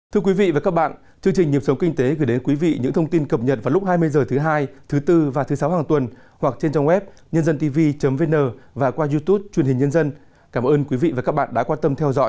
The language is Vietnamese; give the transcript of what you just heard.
thưa quý vị và các bạn chương trình nhiệm sống kinh tế gửi đến quý vị những thông tin cập nhật vào lúc hai mươi h thứ hai thứ bốn và thứ sáu hàng tuần hoặc trên trang web nhândantv vn và qua youtube truyền hình nhân dân